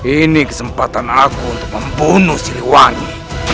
ini kesempatan aku untuk membunuh siliwangi